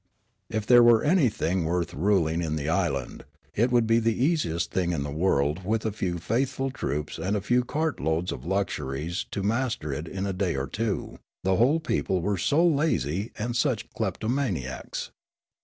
If there were anything worth ruling in the island, it would be the easiest thing in the world with a few faithful troops and a few cart loads of luxuries to mas ter it in a day or two, the whole people were so lazy and such kleptomaniacs.